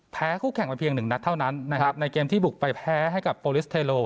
คู่แข่งมาเพียงหนึ่งนัดเท่านั้นนะครับในเกมที่บุกไปแพ้ให้กับโปรลิสเทโล